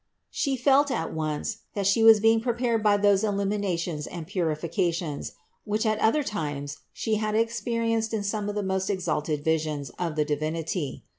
6. She felt at once, that She was being prepared by those illuminations and purifications, which at other times She had experienced in some of the most exalted visions of the Divinity.